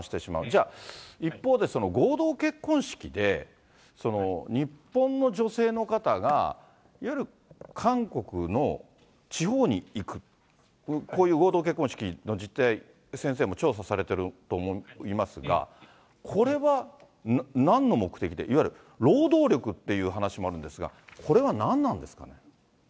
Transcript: じゃあ、一方で、合同結婚式で、日本の女性の方がいわゆる韓国の地方に行く、こういう合同結婚式の実態、先生も調査されてると思いますが、これはなんの目的で、いわゆる労働力っていう話もあるんですが、これは何なんですかね。